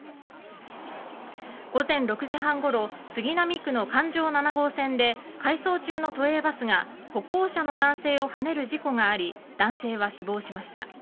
午前６時半ごろ杉並区の環状７号線で回送中の都営バスが歩行者の男性をはねる事故があり男性は死亡しました。